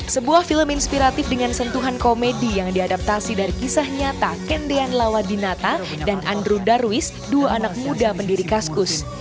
sebuah film inspiratif dengan sentuhan komedi yang diadaptasi dari kisah nyata kendean lawadinata dan andre darwis dua anak muda pendiri kaskus